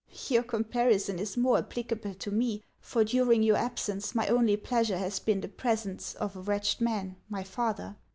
" Your comparison is more applicable to me, for during your absence my only pleasure lias been the presence of a wretched man, my father.